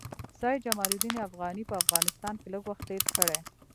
سید جمال الدین افغاني په افغانستان کې لږ وخت تېر کړی.